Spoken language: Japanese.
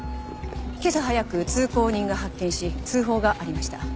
今朝早く通行人が発見し通報がありました。